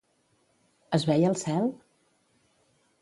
Es veia el cel?